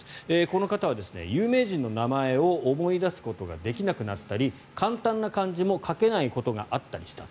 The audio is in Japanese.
この方は有名人の名前を思い出すことができなくなったり簡単な漢字も書けないことがあったりした。